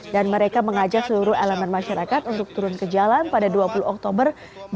mereka mengajak seluruh elemen masyarakat untuk turun ke jalan pada dua puluh oktober dua ribu dua puluh